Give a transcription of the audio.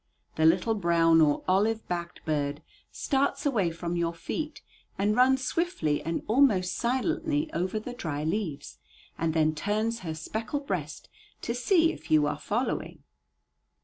The little brown or olive backed bird starts away from your feet and runs swiftly and almost silently over the dry leaves, and then turns her speckled breast to see if you are following.